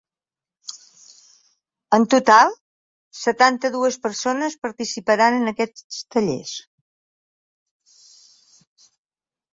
En total, setanta-dues persones participaran en aquests tallers.